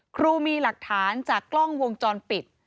ครูมีหลักฐานจากกล้องวงจรปิด